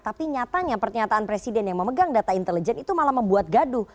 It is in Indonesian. tapi nyatanya pernyataan presiden yang memegang data intelijen itu malah membuat gaduh